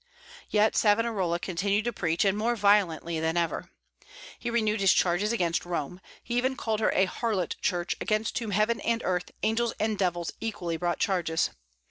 Yet Savonarola continued to preach, and more violently than ever. He renewed his charges against Rome. He even called her a harlot Church, against whom heaven and earth, angels and devils, equally brought charges.